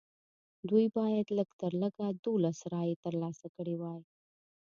دوی باید لږ تر لږه دولس رایې ترلاسه کړې وای.